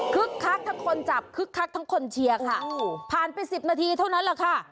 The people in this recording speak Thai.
คักทั้งคนจับคึกคักทั้งคนเชียร์ค่ะผ่านไป๑๐นาทีเท่านั้นแหละค่ะ